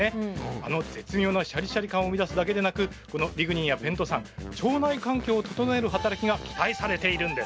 あの絶妙なシャリシャリ感を生み出すだけでなくこのリグニンやペントサン腸内環境を整える働きが期待されているんです。